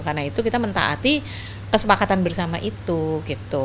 karena itu kita mentaati kesepakatan bersama itu gitu